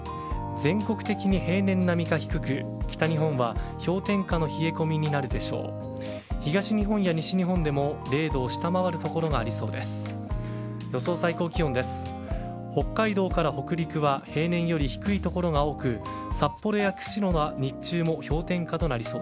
全国的に平年並みか低く北日本は氷点下の冷え込みになるでしょう。